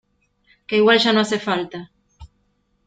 que igual ya no hace falta.